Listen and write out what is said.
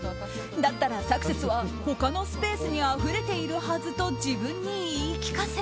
だったら、サクセスは他のスペースにあふれているはずと自分に言い聞かせ